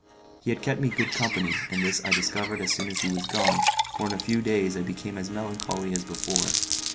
He had kept me good company, and this I discovered as soon as he was gone, for in a few days I became as melancholy as before.